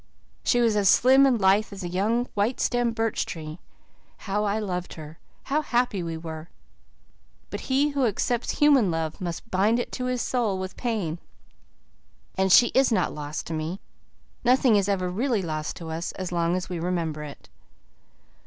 She was as slim and lithe as a young, white stemmed birch tree. How I loved her! How happy we were! But he who accepts human love must bind it to his soul with pain, and she is not lost to me. Nothing is ever really lost to us as long as we remember it."